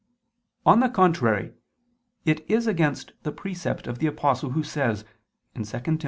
On the contrary, It is against the precept of the Apostle who says (2 Tim.